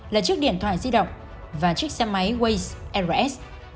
là chiếc điện thoại di động và chiếc xe máy ways rs